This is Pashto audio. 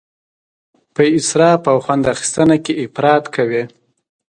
په اسراف او خوند اخیستنه کې افراط کوي.